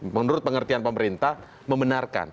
menurut pengertian pemerintah membenarkan